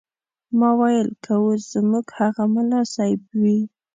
ما ویل که اوس زموږ هغه ملا صیب وي.